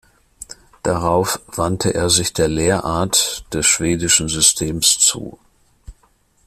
Darauf wandte er sich der Lehrart des Schwedischen Systems zu.